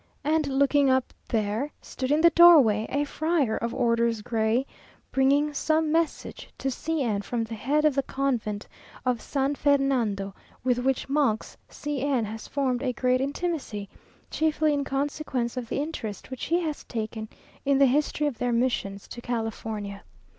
And looking up there stood in the doorway a "friar of orders gray," bringing some message to C n from the head of the convent of San Fernando, with which monks C n has formed a great intimacy, chiefly in consequence of the interest which he has taken in the history of their missions to California.